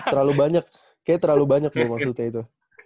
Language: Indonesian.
terlalu banyak kayaknya terlalu banyak tuh maksudnya itu